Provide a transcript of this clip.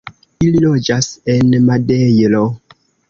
Ili loĝas en Madejro.